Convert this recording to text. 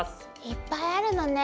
いっぱいあるのね。